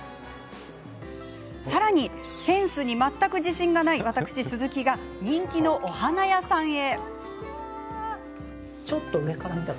さらにセンスに全く自信がない私、鈴木が人気のお花屋さんへ。